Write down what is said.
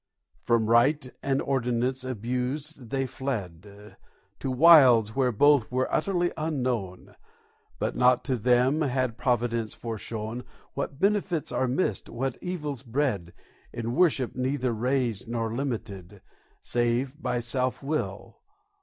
II From Rite and Ordinance abused they fled To Wilds where both were utterly unknown; But not to them had Providence foreshown What benefits are missed, what evils bred, In worship neither raised nor limited Save by Self will.